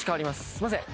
すいません。